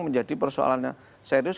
menjadi persoalannya serius